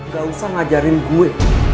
gak usah ngajarin gue